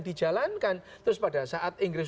dijalankan terus pada saat inggris